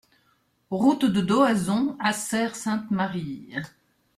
Route de Doazon à Serres-Sainte-Marie